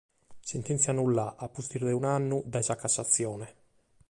Sentèntzia annullada, a pustis de un'annu, dae sa cassatzione.